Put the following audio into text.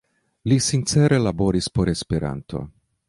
Li sincere laboris por Esperanto.